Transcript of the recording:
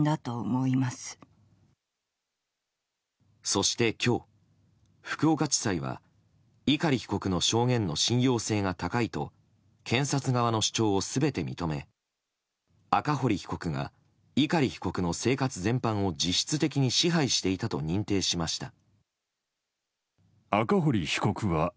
そして今日、福岡地裁は碇被告の証言の信用性が高いと検察側の主張を全て認め赤堀被告が碇被告の生活全般を実質的に支配していたと認定しました。